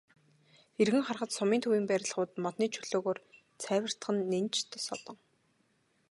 Эргэн харахад сумын төвийн барилгууд модны чөлөөгөөр цайвартах нь нэн ч содон.